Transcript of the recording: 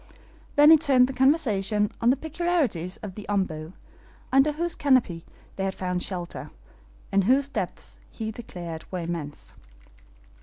Then he turned the conversation on the peculiarities of the OMBU, under whose canopy they had found shelter, and whose depths he declared were immense.